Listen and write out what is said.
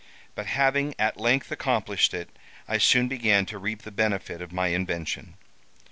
But having at length accomplished it, I soon began to reap the benefit of my invention.